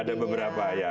ada beberapa ya